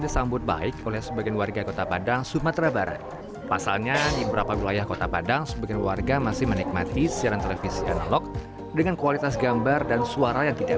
sudah dapat kabar dari sebagian orang jadi kabarnya memang diganti ke siaran digital